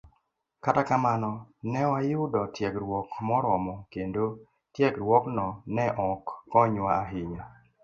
Kata kamano, ne wayudo tiegruok moromo, kendo tiegruokno ne ok konywa ahinya